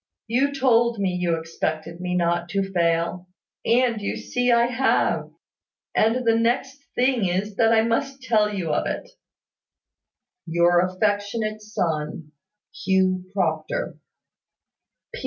You told me you expected me not to fail; and you see I have; and the next thing is that I must tell you of it. "Your affectionate son, "Hugh Proctor.